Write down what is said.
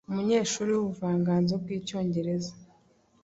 Umunyeshuri wubuvanganzo bwicyongereza